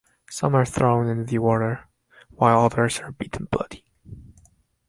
Some are thrown into the water, while others are beaten bloody.